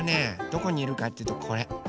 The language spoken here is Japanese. どこにいるかっていうとこれ。